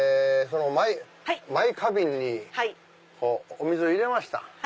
マイ花瓶にお水を入れました。